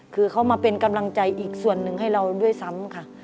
คือเขามาเป็นกำลังใจอีกส่วนหนึ่งให้เราด้วยซ้ำค่ะ